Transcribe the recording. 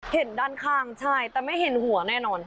เห็นด้านข้างใช่แต่ไม่เห็นหัวแน่นอน